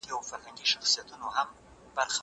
هغه څوک چي د کتابتون د کار مرسته کوي منظم وي!؟